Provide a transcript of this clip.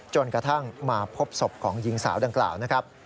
จนกระทั่งมาพบศพของหญิงสาวดังกล่าวนะครับ